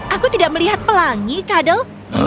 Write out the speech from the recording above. aku tidak melihat pelangi kadel